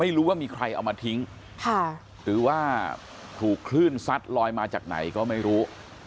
ไม่รู้ว่ามีใครเอามาทิ้งหรือว่าถูกคลื่นซัดลอยมาจากไหนก็ไม่รู้